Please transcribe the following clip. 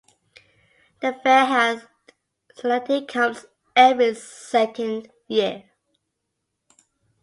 The fair at Saneti comes every second year.